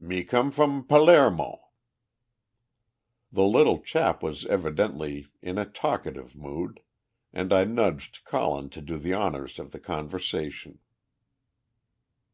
"Me come from Pal aer mo." The little chap was evidently in a talkative mood, and I nudged Colin to do the honours of the conversation.